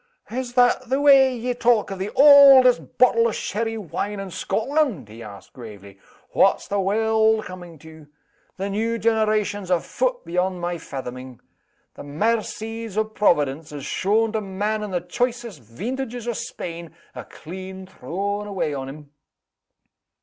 "Is that the way ye talk of the auldest bottle o' sherry wine in Scotland?" he asked, gravely. "What's the warld coming to? The new generation's a foot beyond my fathoming. The maircies o' Providence, as shown to man in the choicest veentages o' Spain, are clean thrown away on 'em."